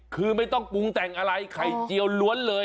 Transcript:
คือไม่ต้องปรุงแต่งอะไรไข่เจียวล้วนเลย